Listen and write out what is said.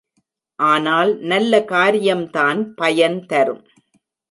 ஆனால் நல்ல காரியம்தான் பயன் தரும்.